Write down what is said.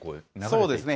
そうですね。